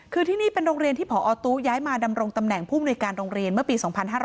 คือที่นี่เป็นโรงเรียนที่พอตู้ย้ายมาดำรงตำแหน่งผู้มนุยการโรงเรียนเมื่อปี๒๕๕๙